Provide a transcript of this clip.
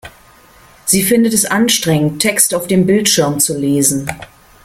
Sie findet es anstrengend, Text auf dem Bildschirm zu lesen.